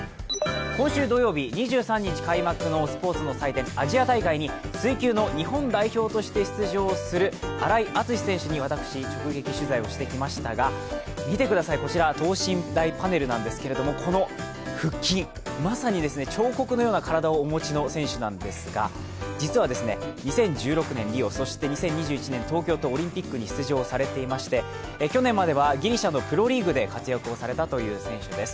今週土曜日、２３日開幕のスポーツの祭典、アジア大会にアジア大会に水球の日本代表として出場する荒井陸選手に私、直撃取材をしてきましたが、見てください、こちら、等身大パネルなんですけど、この腹筋、まさに彫刻のような体をお持ちの選手なんですが、実は２０１６年リオ、２０２１年東京とオリンピックに出場されていまして、去年まではギリシャのプロリーグで活躍された選手です。